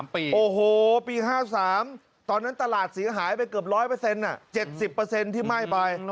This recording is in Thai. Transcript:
โอ้โหปี๕๓ตอนนั้นตลาดเสียหายไปเกือบ๑๐๐๗๐ที่ไหม้ไป